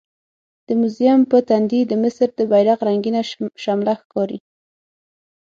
د موزیم په تندي د مصر د بیرغ رنګینه شمله ښکاري.